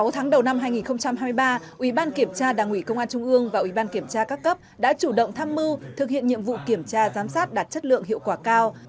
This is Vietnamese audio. sáu tháng đầu năm hai nghìn hai mươi ba ủy ban kiểm tra đảng ủy công an trung ương và ủy ban kiểm tra các cấp đã chủ động tham mưu thực hiện nhiệm vụ kiểm tra giám sát đạt chất lượng hiệu quả cao